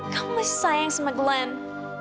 kamu sayang sama glenn